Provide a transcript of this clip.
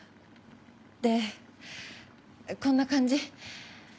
ってこんな感じ。